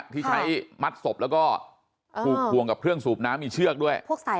ที่ใช้มัดศพแล้วก็ถูกพวงกับเครื่องสูบน้ำมีเชือกด้วย